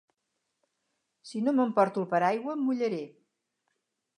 Si no m'emporto el paraigua, em mullaré.